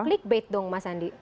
klikbait dong mas andi